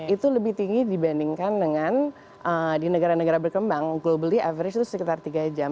itu lebih tinggi dibandingkan dengan di negara negara berkembang globally average itu sekitar tiga jam